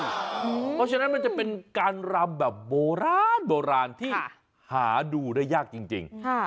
เพราะฉะนั้นมันจะเป็นการรำแบบโบราณโบราณที่หาดูได้ยากจริง